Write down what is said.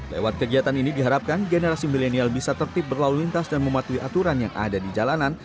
lewat kegiatan ini diharapkan generasi milenial bisa tertib berlalu lintas dan mematuhi aturan yang ada di jalanan